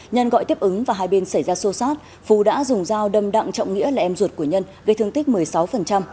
nhân gọi tiếp ứng và hai bên xảy ra xô xát phú đã dùng dao đâm đặng trọng nghĩa là em ruột của nhân gây thương tích một mươi sáu